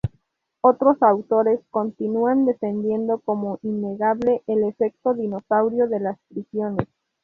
Otros autores continúan defendiendo como innegable el efecto disuasorio de las prisiones.